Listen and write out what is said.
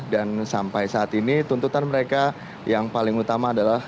dan sampai saat ini tuntutan mereka yang paling utama adalah